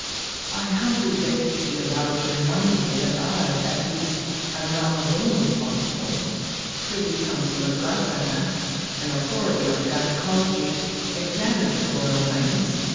"I humbly beg to be allowed to remind you that I, at least, am not alone responsible. Privy Councillor Grasanger an authority on gynæcology examined her Royal Highness.